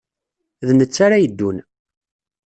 D netta ara yeddun.